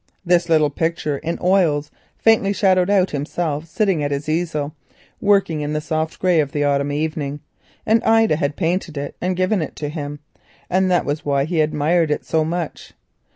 This little picture in oils faintly shadowed out himself sitting at his easel, working in the soft grey of the autumn evening, and Ida had painted it and given it to him, and that was why he admired it so much.